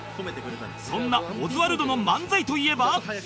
そんなオズワルドの漫才といえば